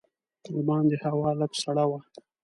د باندې هوا لږه سړه وه.